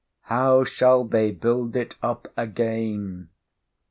—How shall they build it up again?